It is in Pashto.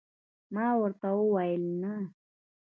ما ورته وویل: نه.